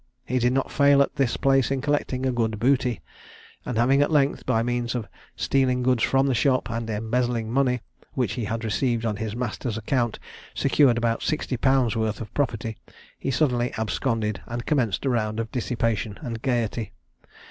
He did not fail at this place in collecting a good booty, and having at length, by means of stealing goods from the shop, and embezzling money which he had received on his master's account, secured about sixty pounds' worth of property, he suddenly absconded and commenced a round of dissipation and gaiety.